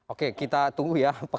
oke kita tunggu ya